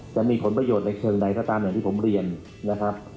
จะมีผลประโยชน์ในเชิงใดก็ตามอย่างที่ผมเรียนนะครับ